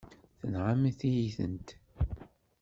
Tenɣamt-iyi-tent.